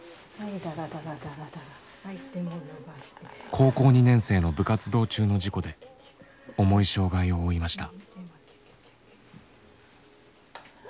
高校２年生の部活動中の事故で重い障害を負いました。